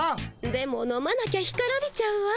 でも飲まなきゃ干からびちゃうわ。